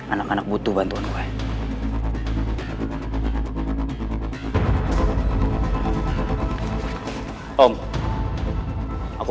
anak anak butuh bantuan umkm